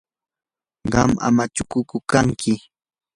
¿qam amachakuqku kanki?